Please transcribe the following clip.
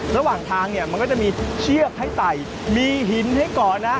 ระหว่างทางเนี่ยมันก็จะมีเชือกให้ไต่มีหินให้ก่อนนะ